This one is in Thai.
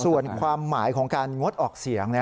ส่วนความหมายของการงดออกเสียง